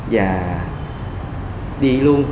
và đi luôn